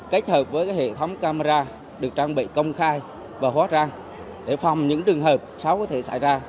kết hợp với hệ thống camera được trang bị công khai và hóa trang để phòng những trường hợp sáu có thể xảy ra